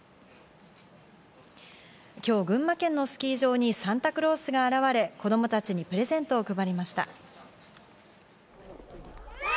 今日群馬県のスキー場にサンタクロースが現れ、子供たちにプレゼントを配りました。